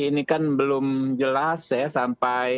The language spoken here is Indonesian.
ini kan belum jelas ya sampai